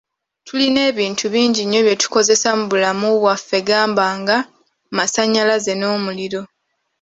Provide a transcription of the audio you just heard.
Tulina ebintu bingi nnyo bye tukozesa mu bulamu bwaffe gamba nga; masannyalaze n’omuliro.